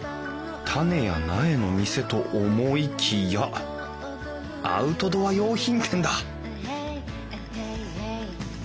種や苗の店と思いきやアウトドア用品店だ！